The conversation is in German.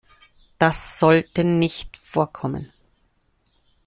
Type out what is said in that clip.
Das sollte nicht vorkommen.